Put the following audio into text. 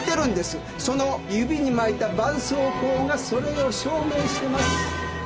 その指に巻いた絆創膏がそれを証明してます。